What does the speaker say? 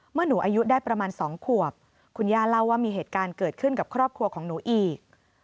เมื่อหนูอายุได้ประมาณ๒ขวบคุณย่าเล่าว่ามีเหตุการณ์เกิดขึ้นกับครอบครัวของหนูอีก